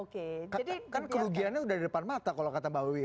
tapi kan kerugiannya sudah di depan mata kalau kata mbak wiwi